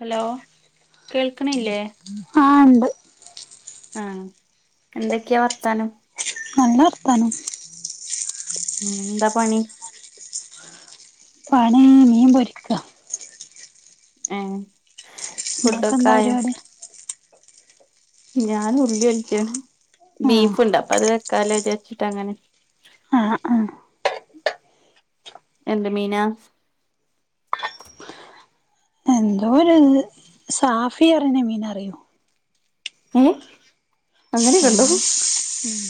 Hello കേൾക്ക്ണില്ലേ ആ ണ്ട് ആഹ എന്തൊക്കെയാ വർത്താനം നല്ല വർത്താനം ഉം എന്താ പണി പണി മീൻ പൊരിക്ക ഏഹ് ഫുഡൊക്കെ ഇങ്ങക്കെന്താ പരിപാടി ഞാന് ഉള്ളില്ച്ച ആഹ ബീഫ്ണ്ട് അപ്പൊ അത് വെക്കാലോ വിചാരിച്ചിട്ട് അങ്ങനെ ആഹ് ആഹ് എന്ത് മീന എന്തോ ഒരിത് സാഫിയറിനെ മീനെറിയോ ഏഹ് അങ്ങനെക്കെണ്ടോ ഉം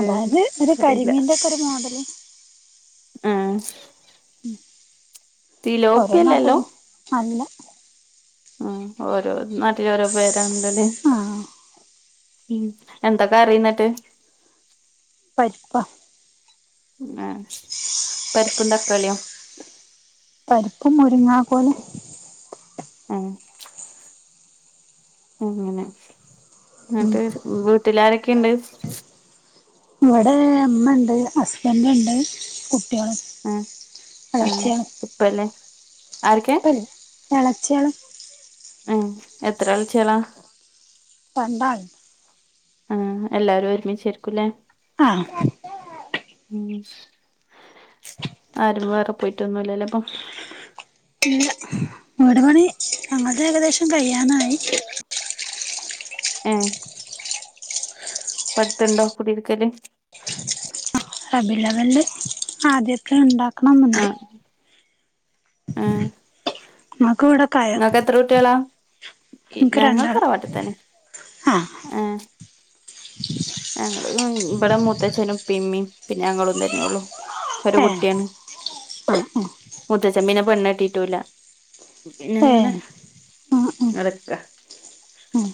ഏഹ് അതായത് ഒരു അറിയില്ല കരിമീന്റെ ഒക്കെരു മോഡല് ആഹ് ഉം ഓരോ തിലോപ്പിയല്ലല്ലോ നാട്ട്ന്ന് അല്ല ഉം ഓരോ നാട്ടിലോരോ പേരാണല്ലോ ല്ലേ ആഹ് ഉം എന്താ കറി ഇന്നെട്ട് പരിപ്പാ ആ പരിപ്പും തക്കാളിയോ പരിപ്പും മുരിങ്ങാ കോലും ആഹ് അങ്ങനെ ഇന്നട്ട് വീട്ടിലാരൊക്കെണ്ട് ഇവടെ ഇമ്മണ്ട് ഹസ്ബന്റ്ണ്ട് കുട്ട്യേളും ആഹ് ആഹ് എളച്ചിയാണ് ഉപ്പല്ലേ ആരൊക്കെ ഇപ്പല്ല എളച്ച്യാണ് ഏഹ് എത്ര എളച്ച്യേളാ രണ്ടാള്ണ്ട് ആഹ് എല്ലാരും ഒരുമിച്ചായിരിക്കൂല്ലേ ആഹ് ഉം ആരും വേറെ പോയിട്ടൊന്നുമില്ലല്ലേ ഇപ്പം ഇല്ല വീട് പണി ഞങ്ങളത് ഏകദേശം കഴിയാനായി ഏ ഇപ്പടുത്തുണ്ടോ കുടിയിരിക്കല് റബിഉൽ അവ്വലില് ആദ്യയൊക്കെ ഇണ്ടാക്കണന്നുണ്ട് ആഹ് ആഹ് ഇമ്മക്ക് ഇവിടെ നിങ്ങക്ക് എത്ര കുട്ട്യള നിക്ക് ഞങ്ങൾ രണ്ടാള് തറവാട്ടിതെന്നെ ആഹ് ഏഹ് ഞങ്ങള് ഇവിടെ മുത്തേച്ഛനും ഇപ്പും ഇമ്മീം പിന്നെ ഞങ്ങളും തന്നെ ഉള്ളു ഒരു ഏഹ് കുട്ടിയാണ് മുത്തേച്ചൻ പിന്നെ പെണ്ണ് കെട്ടീട്ടൂല്ലാ പിന്നെ അങ്ങനെ ഏഹ് ഉം ഉം നടക്കാ ഉം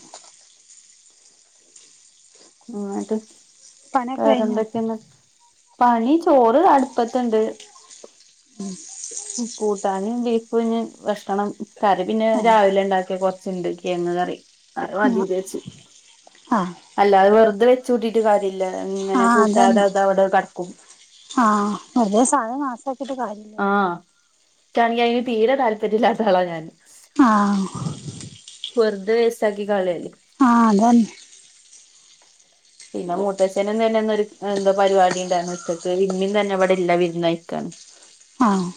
ഉം എന്നിട്ട് പണിയൊക്കെ കഴിഞ്ഞോ വേറെന്തൊക്കേണ് പണി ചോറ് അടുപ്പത്ത്ണ്ട് ഉം കൂട്ടാന് ബീഫ്ഞ് കഷണം കറി പിന്നെ ആഹ് രാവിലെ ഉണ്ടാക്കിയ കൊറച്ച്ണ്ട് കെയങ്ങ് കറി അത് മതീന്ന് വിചാരിച്ച് ആഹ് അല്ലാതെ വെറുതെ വെച്ച് കൂട്ടീട്ട് കാര്യല്ല ഇങ്ങനെ ആഹ് കൂട്ടാതെ അതന്നെ അത് അവിടെ കടക്കും ആഹ് വെറുതെ സാധനം നാസാക്കിയിട്ട് കാര്യം ആഹ് ക്ക്ആണെങ്കി അയിന് തീരെ താല്പര്യം ഇല്ലാത്ത ആള ഞാൻ ആഹ് വെർതെ വേസ്റ്റാക്കി കളയല്ല് ആഹ് അതന്നെ പിന്നെ മൂത്തച്ഛനും ഇന്നെന്നോരു എന്തോ പരിപാടി ഇണ്ടാരുന്നു ഉച്ചക്കോരു വിമ്മിൻ തന്നെ ഇവിടില്ല വിര്ന്ന് കഴിക്കാണ് ആഹ്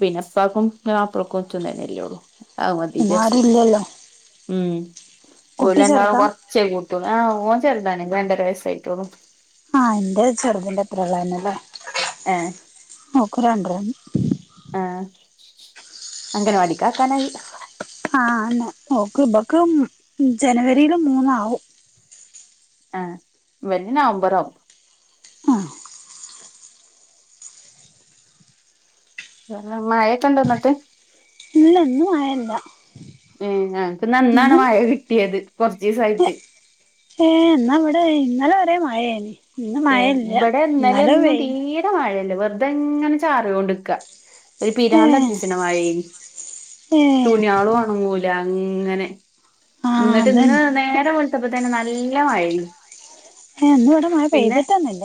പിന്നെ ഉപ്പാക്കും ആ അപ്ര കൊച്ചും തന്നെയല്ലേ ഉള്ളു അത് മതി പിന്നെ വിചാരിച്ച് ആരും ക്കണു ഇല്ലല്ലോ ഉം ഓൽ കുട്ടി രണ്ടാളും ചെറുതാ കൊർച്ചെ കൂട്ടിയോള് ആ ഓൻ ചെർ തനെങ്കി രണ്ടര വയസ്സെ ആയിട്ടൊള്ളു ആഹ് എന്റെ ചെറുതിന്റെ അത്രേം ഉള്ളന്നല്ലേ ഏഹ് ഓക്ക് രണ്ട് റും ആഹ് അംഗനവാടിക്ക് ആക്കാനായി ആഹ് അന്നെ ഓക്ക് ഇബക്കും ജനുവരീല് മൂന്നാവും ആഹ് ഇവന് നവമ്പറാവും ആഹ് അ അഹ് മയേക്കെ ഉണ്ടോ എന്നിട്ട് ഇല്ല ഇന്ന് മഴയില്ല ഏ ഉം ഞങ്ങ്ക്ക് നന്നാണ് മഴ കിട്ടിയത് കൊറച്ച് ദിവസായിട്ട് ഏ എന്നാ ഇവിടെ ഇന്നലെ വരേം മഴ ആയിന് ഏ ഇവ്ടെ ഇന്നലെയൊന്നും തീര മഴയില്ല വെറുതെ ഇങ്ങനെ ചാറി കൊണ്ട് നിക്ക ഒര് ഏ പിരാന്ത് അടിപ്പിച്ച്ണ മായി ഏ തുണിയാളും ഒണങ്ങൂല ഇങ്ങനെ ആ എന്നിട്ട് ഇന്ന് അതന്നെ നേരം വെള്ത്തപ്പം തന്നെ നല്ല മഴയും ഹേ ഇന്ന് ഇവിടെ മഴ പെയ്തിട്ടന്നില്ല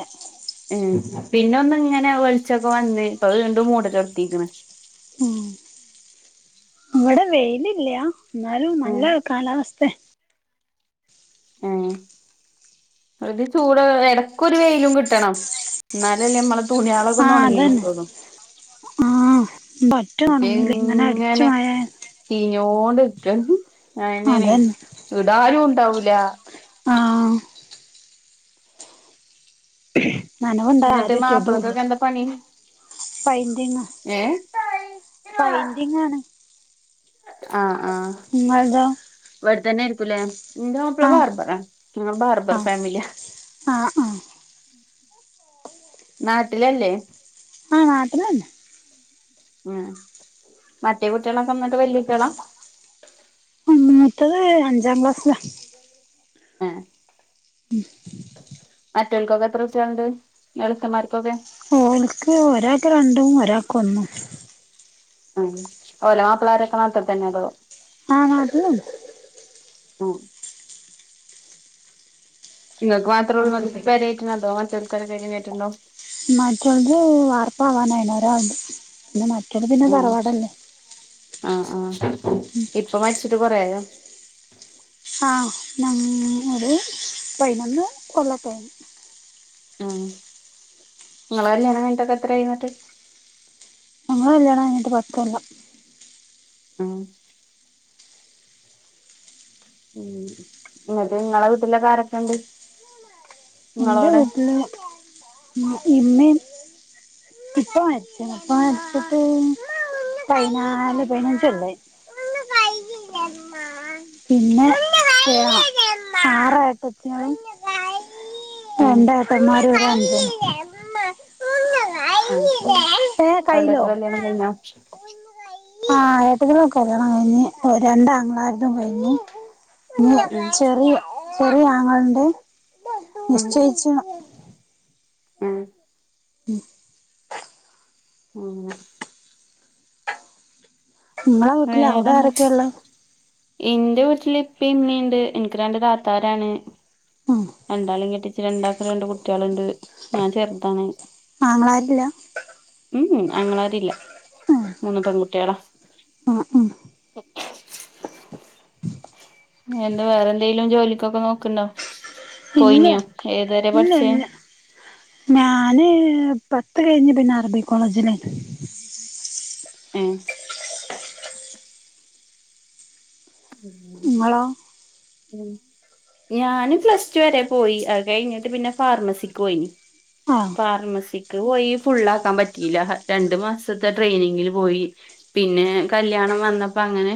ഉം പിന്നെ ഒന്ന് ഇങ്ങനെ വെളിച്ചൊക്കെ വന്ന് ഇപ്പം വീണ്ടും മൂട് ചൊര്ത്തീക്ക്ണ് ഉം ഇവിടെ വെയിലില്ല്യാ എന്നാലും ഏഹ് നല്ല കാലാവസ്ഥ ആഹ് ഒരു ചൂട് എടക്കൊരു വെയിലും കിട്ടണം എന്നാലല്ലെ നമ്മളത് ആഹ് അതന്നെ ആഹ് ബറ്റും ഒണങ്ങൂല ഇങ്ങനെ അടിച്ചു മഴയാ ചീഞ്ഞോണ്ടിര്ക്കാണ്. അതന്നെ ഇടാനൂണ്ടാവൂല ആഹ് [unintelligible] ഇന്നെട്ട് മാപ്പ്ളക്കൊക്കെ എന്താ പണി? പയിന്റിങ്ങാ. ഏഹ്? പൈന്റിങ്ങാണ്. ആഹ് ആഹ് നിങ്ങളതോ ഇവട്ത്തന്നായിരിക്കും ലേ? ഇന്റെ മാപ്പള ആ ബാർബറാ. ഞങ്ങള് ബാർബർ ആ ഫാമില്യാ. ആ ആ നാട്ടിലല്ലേ? ആഹ് നാട്ടില് വന്ന് അ. മറ്റേ കുട്ട്യാളൊക്കെ ന്ന്ട്ട് വല്യ കുട്ട്യാളാ? മൂത്തത് അഞ്ചാം ക്ലാസ്സിലാ. [unintelligible] ഉം മറ്റൊൾക്കൊക്കെ എത്ര സ്കുട്ടിയളുണ്ട് എളുത്തന്മാർക്കൊക്കെ ഓൽക്ക് ഒരാൾക്ക് രണ്ടും, ഒരാൾക്ക് ഒന്നും. ഉം. ഓലെ മാപ്പ്ളാരൊക്കെ നാട്ട്- ത്തന്നെ അതോ ആഹ് നാട്ടില്ണ്ട്. ആ ഇങ്ങക്ക് മാത്രോള്ളു [unintelligible] പെരേയ്റ്റ്ണത് അതോ മറ്റോൽക്ക് വല്ല പെരിം കേറ്റ്ണ് ണ്ടോ? മറ്റോൽത് വാർപ്പാവാനായിണ് ഒരാൾത് പിന്നെ, മറ്റോല് പിന്നെ ഉം തറവാടല്ലേ. ആഹ് ആഹ്. ഇപ്പ മര്ച്ച്ട്ട് കൊറേ ആയോ? ആ നമ്മ് ഒര് പയ്നൊന്ന് [unintelligible] ആഹ്, ഇങ്ങളെ കല്യാണം കയ്ഞ്ഞ്ട്ടൊക്കെത്രായിന്ന്ട്ട്? ഞങ്ങളെ കല്ല്യാണം കയ്ഞ്ഞ്ട്ട് പത്തൊല്ലം. ആഹ് ഉം ഇന്ന്ട്ട് ഇങ്ങളെ വീട്ടിലൊക്കെ ആരൊക്കെണ്ട്? എന്റെ വീട്ടില് ഇമ്മിം ഇപ്പ മര്ച്ച്ണ്. ഇപ്പ മര്ച്ച്ട്ട് പയ്നാല് പതിനഞ്ച് കൊല്ലായി. [inaudible] [unintelligible] പിന്നെ [unintelligible] ആറേട്ടത്യാളും ഉം രണ്ട് ഏട്ടന്മാരും ഒര് അജനും ആയിശേരി ഏ ഓൾടേക്കെ കയ്യിലോ കല്യാണം കഴിഞ്ഞോ ആഹ് ഏട്ടത്തിന്റെ കല്ലിയാണം കയ്ഞ്ഞ്, രണ്ടാങ്ങളാര്തും കയ്ഞ്ഞ് ഉം [unintelligible] ചെറിയ ചെറിയ ആങ്ങളണ്ട്? നിശ്ചയിച്ച്ണോ? മ് മ് [unintelligible] നിങ്ങളെ വീട്ടില് അവിടെ വേറെന്താ? ആരൊക്കെയുള്ളെ ഇന്റെ വീട്ടില് ഇപ്പിം, ഇമ്മിണ്ട്. ഇൻക്ക് രണ്ട് താത്താരാണ്. ഉം രണ്ടാളിം കെട്ടിച്ച്, രണ്ടാക്കും രണ്ട് കുട്ട്യാള്ണ്ട്. ഞാൻ ചെർതാണ് ആങ്ങളാരില്ല? ഉം ഉം. ആങ്ങളാരില്ല, മൂന്ന് പെൺകുട്ട്യാളാ. ആഹ്, ഉം [unintelligible] എന്താ വേറെന്തേലും ജോലിക്കൊക്കെ നോക്ക്ണ്ടോ? ഇല്ല പോയീന്യൊ, ഏതുവരെ ഇല്ല പഠിച്ചേ? ഇല്ല ഞാന്... പത്ത് കഴിഞ്ഞ് പിന്നെ അറബി കോളേജിലേനു. ഏഹ് ങ്ങളോ ഞാന് പ്ലസ് ടു വരെ പോയി അ കഴിഞ്ഞിട്ട് പിന്നെ ഫാർമസിക്ക് പോയി ആഹ് ഫാർമസിക്ക് പോയി ഫുള്ള ആക്കാ പറ്റില്ല രണ്ടു മാസത്തെ ട്രെയിനിങ്ങിൽ പോയി പിന്നെ കല്യാണം വന്നപ്പ അങ്ങനെ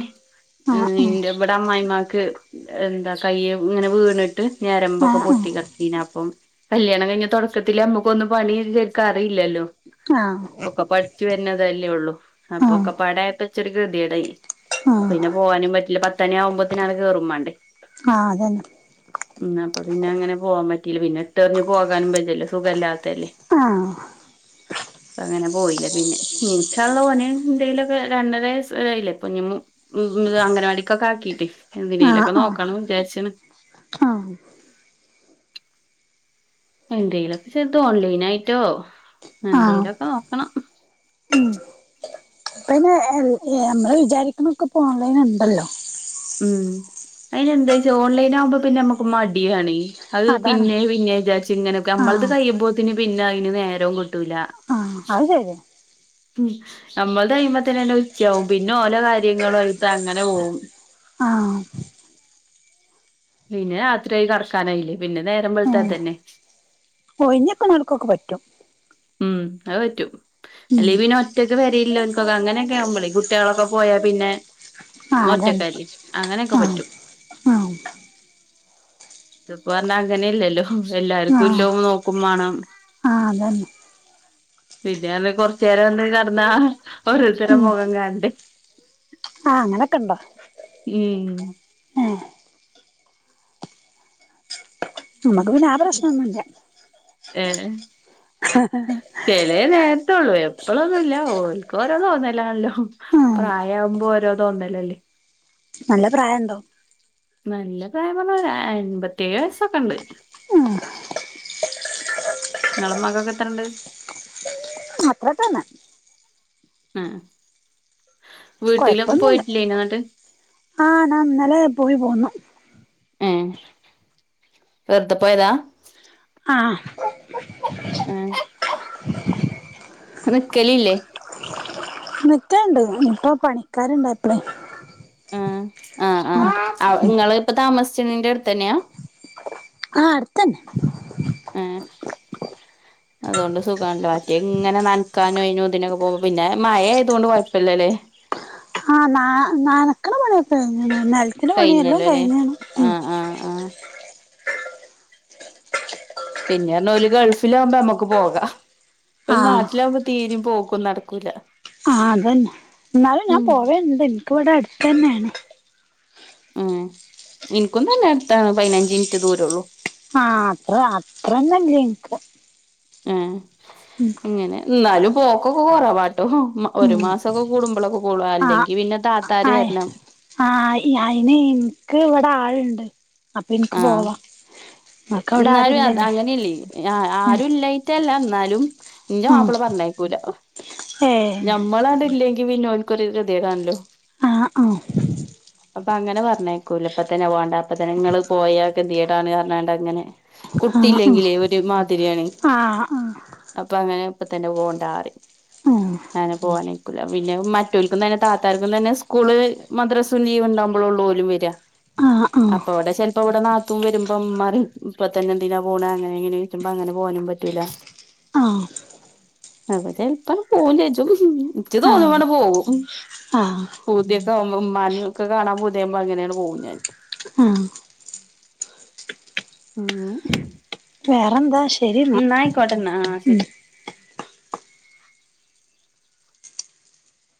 ആഹ് ഉം ന്റെ ഇവിടെ അമ്മായിമാക്ക് എന്താ കയ്യ ഇങ്ങനെ വീണിട്ട് ഞരമ്പൊക്കെ ആഹ് ഉം പൊട്ടി കേടക്കേനി അപ്പം കല്യാണം കഴിഞ്ഞ തുടക്കത്തില് നമ്മുക്കൊന്നന്ന് പണി ഷെർക്കാ അറിയില്ലല്ലോ ആഹ് ഒക്കെ പഠിച്ചു വരുന്നതല്ലേ ഉള്ളൂ അപ്പൊക്കെ ആഹ് പ്പാടയപ്പച്ചൊ ഒരു കെതിയാടായി ആഹ് പോകാനും പറ്റില്ല പത്തന ആവുമ്പോത്തന അവിടെ കയറും വേണ്ടേ ആഹ് അതന്നെ ഉം അപ്പൊ പിന്നെ അങ്ങനെ പോവാൻ പറ്റീല്ല പിന്നെ ഇട്ടറിഞ്ഞ് പോകാനും പറ്റല്ലേ സുഖംല്ലാത്തല്ലേ [inaudible] ആഹ് അപ്പ അങ്ങനെ പോയില്ല പിന്നെ ഇന്ശാള്ള ഓനെ എന്തെങ്കിലുംക്കെ രണ്ടരല്ല അപ്പഞ്ഞ് ഉ അങ്ങനവാടിക്കൊക്കെ ആക്കീട്ട് എന്തിനേല ആഹ് ആഹ് നോക്കാണ വിചാരിച്ചണ് ആഹ് എന്തേലൊക്ക ചെറുത് ഓൺലൈൻ ആയിട്ടോ ആഹ് എന്തേലൊക്കെ നോക്കണം ഉം പിന്നെ [unintelligible] ഏഹ് നമ്മള് വിചാരിക്കുന്നൊക്കെ ഇപ്പൊ ഓൺലൈൻ ഉണ്ടല്ലോ ഉം അയിന് എന്താ വച്ച ഓൺലൈൻ ആകുമ്പോ പിന്നെ നമ്മുക്ക് മടിയാണ് അത് അതാണ് പിന്നെ പിന്നേ വിചാര്ച്ചി ഇങ്ങനെക്കെ നമ്മളത് ആഹ് കഴിയുമ്പോത്തിന് പിന്നെ അതിന് നേരവും കിട്ടൂല്ല അത് ശെരി ഉ അമ്മൾതെ കഴിയുമ്പോത്തന്നെ ഉച്ചവും പിന്നെ ഓലോ കാര്യങ്ങളും ആയിട്ട് അങ്ങനെ പോകും ആഹ് പിന്നെ രാത്രി ആയി കറക്കാനായില്ലേ പിന്നെ നേരമ്പഴത്ത തന്നെ ഒഴിഞ് നിൽകുന്നോൽക്കൊക്കെ പറ്റും ഉം അത് പറ്റും ഉം അല്ലെ പിന്നെ ഒറ്റക്ക് പേരെയില്ലോ എനൊക്കെ അങ്ങനൊക്കെവുമ്പളി കുട്ടികളൊക്കെ പോയാ പിന്നെ ആഹ് ഇമ്മ അതന്നെ ഒറ്റക്കല്ലേ അങ്ങനെക്കെ ആഹ് പറ്റും ആഹ് ഇതിപ്പോ പറഞ്ഞാ അങ്ങന ഇല്ലല്ലോ എല്ലാർക്കും ആഹ് ഇല്ലോ നോക്കുമാണം ആഹ് അതന്നെ പിന്നെന്ന് കൊറച്ചു നേരം ഒന്ന് കെടന്നാ ഓരോരുത്തര ഉം മുഖം കാണണ്ടേ [inaudible] ആഹ് അങ്ങനെക്കെ ണ്ടോ ഉം മ്മുക്ക് പിന്നെ ആഹ് പ്രശ്നം ഒന്നും ഇല്ല ഏഹ് ഹഹഹ ചെലേ നേരത്തേള്ളു എപ്പഴൊന്നുമല്ല ഓൽക്ക് ഓരോ തോന്നലാണല്ലോ ഉം പ്രായമാവുമ്പോ ഓരോ തോന്നലല്ലേ നല്ല പ്രായം ഉണ്ടോ നല്ല പ്രായം പറഞ്ഞ എൻമ്പത്തിയേഴ് വയസ്സൊക്കെ ഉണ്ട് ഉം ങ്ങളെ മ്മാക്കൊക്കെ എത്രണ്ട് അത്ര തന്നെ ആഹ് കൊഴപ്പൊന്നില്ല ആഹ് ഇന്നലെ പോയി പോന്നു ഏഹ് വെറുത പോയതാ ആഹ് ഉം നിക്കലില്ലെ [unintelligible] പണിക്കാരൊണ്ടായേക്കണ് ഉം ആ ആ അവ് ഇങ്ങളിപ്പൊ താമസിച്ചണീന്റെ അടുത്തുതനൃ ആ അടുത്തന്നെ ആം അതുകൊണ്ട് സുഖാണല്ലോ മറ്റെ ഇങ്ങനെ നൻക്കാനും അയിനും ഇതിനൊക്കെ പോവുമ്പ പിന്നെ മഴെ ആയതോണ്ട് കൊഴപ്പല്ലലേ ആ നാ നനക്കണ പണിയിപ്പൊ നനക്കണ പണിയെല്ലാം കഴിഞ്ഞല്ലോ അല്ലേ കഴിഞ്ഞീണു ഉം ആഹ് ആഹ് ആഹ് പിന്നെണ് ഓല് ഗൾഫിലാവുമ്പൊ ഞമ്മക്ക് പോകാം ഓല് ആഹ് നാട്ടിലാവുമ്പോ തീരും പോക്കും നടക്കൂലാ ആ അതന്നെ ന്നാലും ഞാൻ പോവെണ്ട് ഇൻക്ക് വ്ടെ അടുത്തന്നെനേണ് ഉം ഇൻക്കും തന്നെ അട്ത്താണ് പയിനഞ്ചിറ്റ് ദൂരൊള്ളു ആഹ് അത്ര അത്രെ ഒന്നു അല്ല ഇൻക് ആം ഉം ഇങ്ങനെ എന്നാലും പോക്കൊക്കെ കൊറവാട്ടൊ. മ ഒരു ഉം മാസൊക്കെ കൂടുമ്പളൊക്കെ പോകൊള്ളൂ അല്ലെങ്കി പിന്നെ താത്താര് വരണം ആ അയ്ന് എൻക്ക് ഇവ്ടെ ആളുണ്ട് അപ്പൊ ആ എനിക്ക് പോവാ നിങ്ങക്ക് അവിടെ ആരും ഇന്നാലും അ ഇല്ലല്ലോ അങ്ങനീയില്ലെ ആ ആരുഇല്ലായി റ്റല്ല എന്നാലും ഇന്റെ ഉം മാപ്പിള പറഞ്ഞയ്ക്കൂല ഏഹ് ഞമ്മളാടെല്ലെങ്കി പിന്നെ ഓൽക്കൊരു രുതിയെകാണ്ലു ആ ഔ അപ്പങ്ങനെ പറഞ്ഞയ്ക്കൂലേ ഇപ്പത്തന്നെ പോണ്ടാ ഇപ്പതന്നെ ഇങ്ങള് പോയാ ഗതികേടാണെന്നു പറഞ്ഞൊണ്ടങ്ങനെ ആഹ് കുട്ടിയില്ലെങ്കിലെ ഒരു മാതിരിയാണ് ആഹ് അപ്പൊങ്ങനെ ഇപ്പത്തന്നെ പോവണ്ടാറിയും അങ്ങനെ പോകാൻനിക്കൂലാ പിന്നെ മറ്റോൽക്കും തന്നെ താത്താർക്കും തന്നെ സ്കൂള് മദ്രസും ലീവൊണ്ടാവുമ്പൊള്ളു ഓലും വരു റ്റാ ആഹ് ആഹ് അപ്പൊ ആഹ് ഇവ്ടെ ചെൽപൊവ്ടെ നാത്തൂൻ വരുമ്പൊമ്മറിം ഇപ്പ തന്നെ എന്തിനാ പോണെ അങ്ങനെയിങ്ങനെ പറ്റുമ്പൊ അങ്ങനെ പോവാനും പറ്റൂല ആം അപ്പ ചെൽപ്പം പോവുംജ്ജിജും ഇജ്ജ് ആഹ് തോന്നുമ്പണ്ട് പോവും. ആഹ് ആഹ് പൂതിയൊക്കെ ആവുമ്പോ ഉമ്മാനൊക്കെ കാണാ പൂതിയാവുമ്പൊ അങ്ങനെണ്ട് പോവും ഞാൻ ആ ഉം വേറെന്താ ഷ് ഉം ന്നായ്ക്കോട്ടെന്നാ ആ ശെരി